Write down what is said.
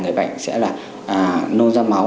người bệnh sẽ là nôn ra máu